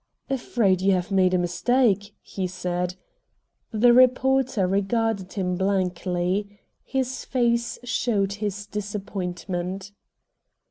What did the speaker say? "Afraid you have made a mistake," he said. The reporter regarded him blankly. His face showed his disappointment.